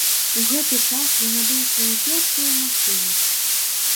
У гэты час я набыў сваю першую машыну.